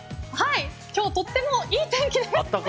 今日、とってもいい天気です。